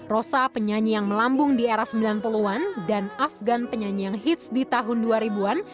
rosa penyanyi yang melambung di era sembilan puluh an dan afgan penyanyi yang hits di tahun dua ribu an